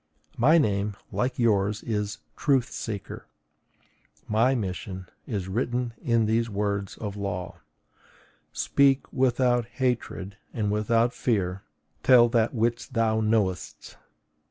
My name, like yours, is TRUTH SEEKER. My mission is written in these words of the law: SPEAK WITHOUT HATRED AND WITHOUT FEAR; TELL THAT WHICH THOU KNOWEST!